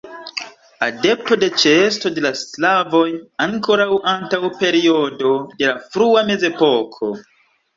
Adepto de ĉeesto de slavoj ankoraŭ antaŭ periodo de la frua mezepoko.